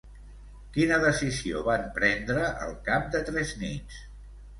Quina decisió van prendre al cap de tres nits?